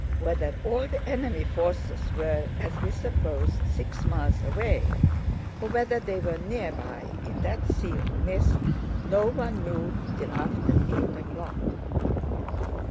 Whether all the enemy forces were, as we supposed, six miles away, or whether they were near by in that sea of mist, no one knew till after eight o'clock.